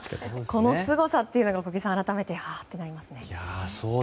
このすごさが小木さん、改めてはっとなりますね。